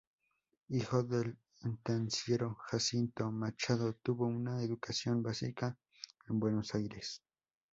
Hijo del estanciero Jacinto Machado, tuvo una educación básica en Buenos Aires.